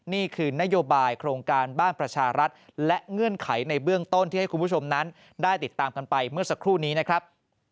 นี่คือนโยบายโครงการบ้านประชารัฐและเงื่อนไขในเบื้องต้นที่ให้คุณผู้ชมนั้นได้ติดตามกันไปเมื่อสักครู่นี้นะครับ